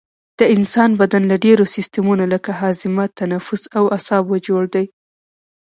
د انسان بدن له ډیرو سیستمونو لکه هاضمه تنفس او اعصابو جوړ دی